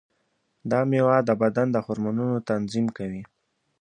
دا مېوه د بدن د هورمونونو تنظیم کوي.